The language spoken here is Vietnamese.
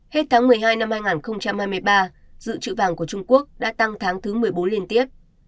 hết tháng một mươi hai năm hai nghìn hai mươi ba dự trữ vàng của trung quốc đã tăng tháng thứ một mươi bốn liên tiếp